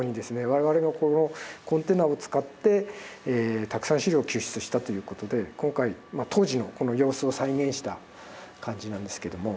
我々がこのコンテナを使ってたくさん資料を救出したということで今回当時のこの様子を再現した感じなんですけども。